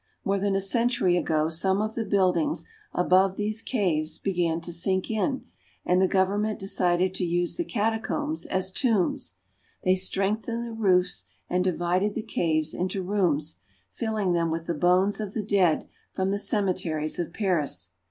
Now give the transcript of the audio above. More than a century ago some of the buildings above these caves began to sink in, and the gov ernment decided to use the catacombs as tombs. They strengthened the roofs and divided the caves into rooms, filling them with the bones of the dead from the cemeteries of Paris.